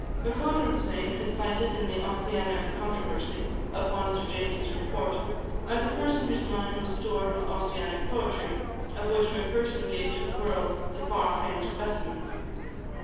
Macodrum's name is cited in the Ossianic controversy, upon Sir James's report, as a person whose mind was stored with Ossianic poetry, of which Macpherson gave to the world the far famed specimens.